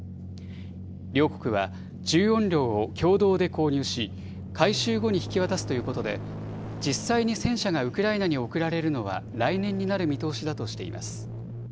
両国は１４両を共同で購入し、改修後に引き渡すということで、実際に戦車がウクライナに送られるのは来年になる見通しだとしています。